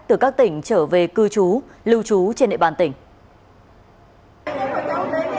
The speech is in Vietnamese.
từ các tỉnh trở về cư trú lưu trú trên địa bàn tỉnh